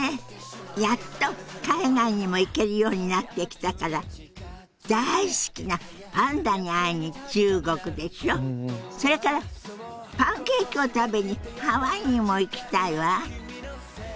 やっと海外にも行けるようになってきたから大好きなパンダに会いに中国でしょそれからパンケーキを食べにハワイにも行きたいわ。